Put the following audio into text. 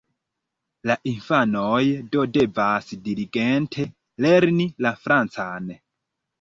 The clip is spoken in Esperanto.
La infanoj do devas diligente lerni la francan.